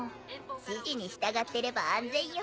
指示に従ってれば安全よ。